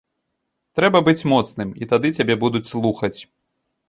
Трэба быць моцным, і тады цябе будуць слухаць.